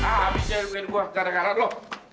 nah abis ya gue garak garak lu